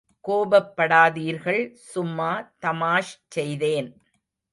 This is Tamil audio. கோபப்படாதீர்கள் சும்மா தமாஷ் செய்தேன்.